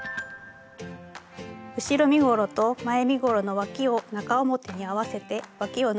後ろ身ごろと前身ごろのわきを中表に合わせてわきを縫います。